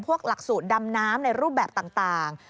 หลักสูตรดำน้ำในรูปแบบต่าง